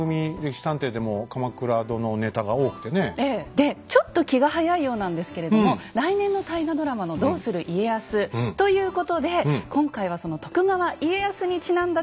でちょっと気が早いようなんですけれども来年の大河ドラマの「どうする家康」ということで今回はその徳川家康にちなんだ調査をしていきたいと思います。